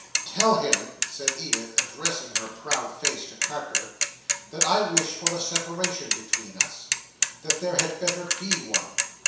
"Tell him," said Edith, addressing her proud face to Carker, "that I wish for a separation between us. That there had better be one.